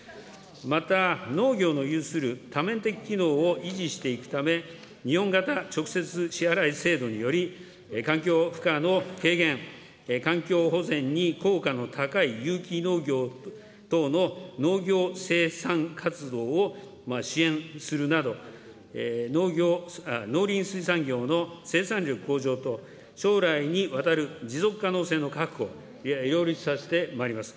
また、農業の有する多面的機能を維持していくため、日本型直接支払い制度により、環境負荷の軽減、環境保全に効果の高い有機農業等の農業生産活動を支援するなど、農林水産業の生産力向上と、将来にわたる持続可能性の確保、両立させてまいります。